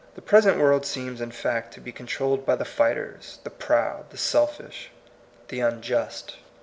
The present world seems in fact to be con trolled by the fighters, the proud, the self ish, the unjust.